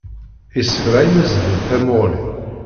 Isefra imesden tamuɣli.